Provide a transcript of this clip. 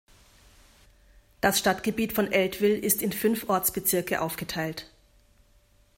Das Stadtgebiet von Eltville ist in fünf Ortsbezirke aufgeteilt.